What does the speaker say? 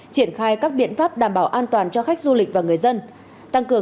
triển khai các biện pháp đảm bảo an toàn cho khách du lịch và người dân